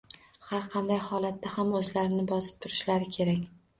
Har qanday holatda ham o`zlarini bosib turishlari kerak